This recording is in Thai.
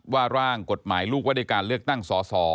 ว่าร่างกฎหมายลูกวัฒนาการเลือกตั้งสอ